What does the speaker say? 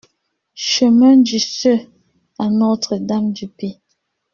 Chemin du Ceux à Notre-Dame-du-Pé